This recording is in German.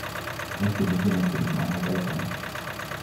Möchte sich jemand zu diesem Antrag äußern?